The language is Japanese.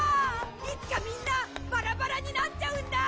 いつかみんなバラバラになっちゃうんだ！